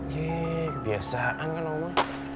kebiasaan kan oma